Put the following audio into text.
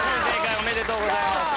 おめでとうございます。